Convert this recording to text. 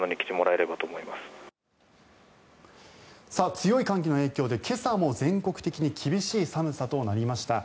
強い寒気の影響で今朝も全国的に厳しい寒さとなりました。